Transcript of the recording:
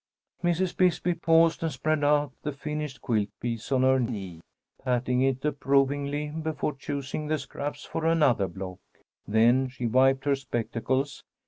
Mrs. Bisbee paused and spread out the finished quilt piece on her knee, patting it approvingly before choosing the scraps for another block. Then she wiped her spectacles.